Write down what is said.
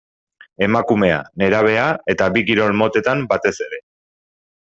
Emakumea, nerabea eta bi kirol motetan batez ere.